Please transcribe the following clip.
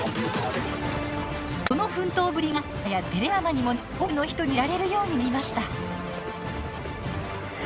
その奮闘ぶりが映画やテレビドラマにもなり多くの人に知られるようになりました。